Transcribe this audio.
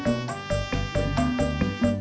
jalannya cepat amat